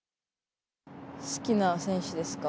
好きな選手ですか？